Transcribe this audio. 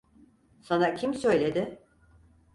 Sana kim söyledi?